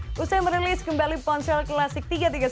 setelah merilis kembali ponsel klasik tiga ribu tiga ratus sepuluh